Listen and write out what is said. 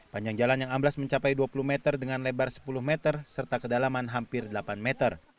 panjang jalan yang amblas mencapai dua puluh meter dengan lebar sepuluh meter serta kedalaman hampir delapan meter